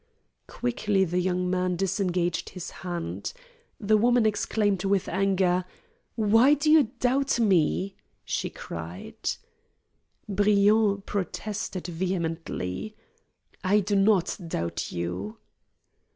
Quickly the young man disengaged his hand. The woman exclaimed with anger. "Why do you doubt me?" she cried. Briand protested vehemently. "I do not doubt you."